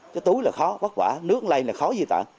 cái tối là khó vất vả nước lây là khó di tản